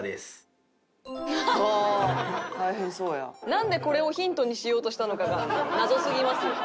なんでこれをヒントにしようとしたのかが謎すぎますよ。